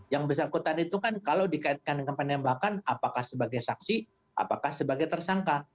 yang bersangkutan itu kan kalau dikaitkan dengan penembakan apakah sebagai saksi apakah sebagai tersangka